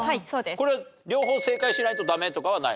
これ両方正解しないとダメとかはない？